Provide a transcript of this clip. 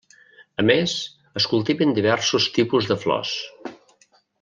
A més es cultiven diversos tipus de flors.